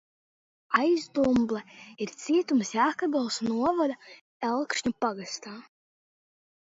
Aizdumble ir ciems Jēkabpils novada Elkšņu pagastā.